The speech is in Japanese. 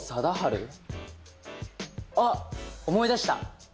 あっ思い出した！